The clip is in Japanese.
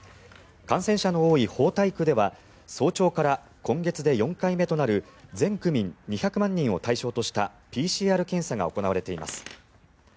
感染者の多い豊台区では早朝から今月で４回目となる全区民２００万人を対象としたＰＣＲ検査が行われています。